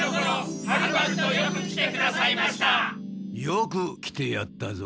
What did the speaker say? よく来てやったぞ。